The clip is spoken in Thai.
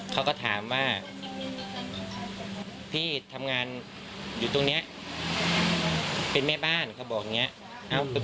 เขาก็ถามว่าพี่ทำงานอยู่ตรงนี้เป็นแม่บ้านเขาบอกอย่างนี้